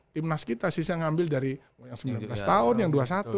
timnas kita sih saya ngambil dari yang sembilan belas tahun yang dua puluh satu